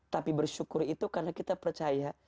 tapi bersyukur itu karena kita percaya